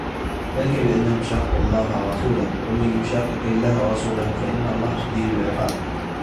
ذلك بأنهم شاقوا الله ورسوله ومن يشاقق الله ورسوله فإن الله شديد العقاب